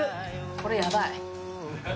これやばい。